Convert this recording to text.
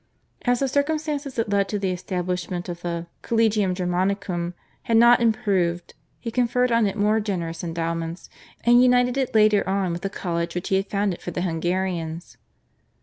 As the circumstances that led to the establishment of the /Collegium Germanicum/ had not improved, he conferred on it more generous endowments, and united it later on with the college which he had founded for the Hungarians.